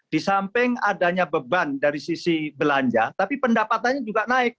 di samping adanya beban dari sisi belanja tapi pendapatannya juga naik